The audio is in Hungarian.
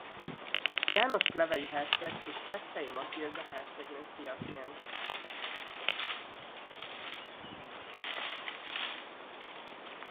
János klevei herceg és Hessei Matilda hercegnő fiaként.